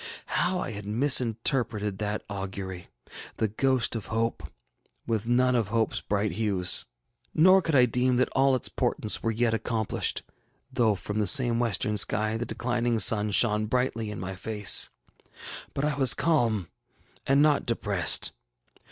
How I had misinterpreted that augury, the ghost of hope, with none of hopeŌĆÖs bright hues! Nor could I deem that all its portents were yet accomplished, though from the same western sky the declining sun shone brightly in my face. But I was calm and not depressed.